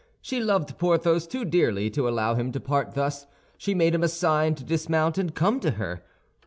She loved Porthos too dearly to allow him to part thus; she made him a sign to dismount and come to her.